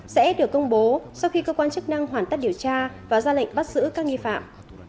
sẽ được công bố sau khi cơ quan chức năng hoàn tất điều tra và ra lệnh bắt giữ các nghi phạm